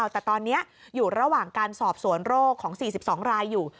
แต่ตอนนี้อยู่ระหว่างการสอบสวนโรคของ๔๒รายอยู่